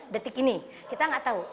detik ini kita nggak tahu